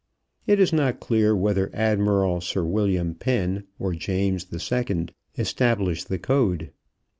It is not clear whether Admiral Sir William Penn or James II. established the code.